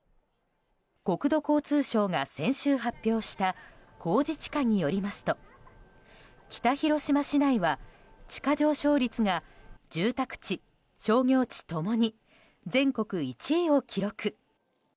国土交通省が先週発表した公示地価によりますと北広島市内は地価上昇率が住宅市商業地ともに全国１位を記録。